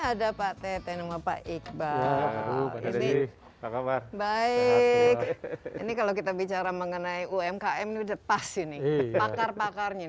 hai ada pak tete nama pak iqbal ini kalau kita bicara mengenai umkm udah pas ini makar makarnya